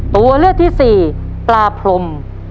ตัวเลือกที่สี่ปลาพรม